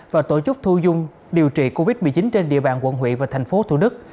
và tổ chức thu dung điều trị covid một mươi chín trên địa bàn quận huyện và thành phố thủ đức